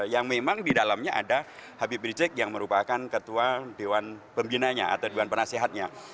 yang memang di dalamnya ada habib rizieq yang merupakan ketua dewan pembinanya atau dewan penasehatnya